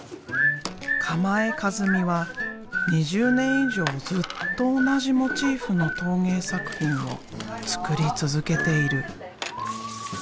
鎌江一美は２０年以上ずっと同じモチーフの陶芸作品を作り続けている。